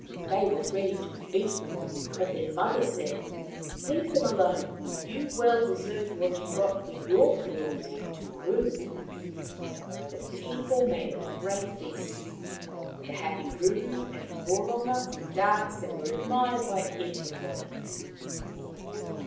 They were ready to beat them ; but their mother said, " Leave them alone. You well deserved what you got for your cruelty to Ruru." The people made a great feast. The happy Ruru and Roronga danced, and were admired by everybody.